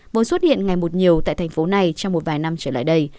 vốn xuất hiện ngày một nhiều tại thành phố này trong một vài năm trở lại đây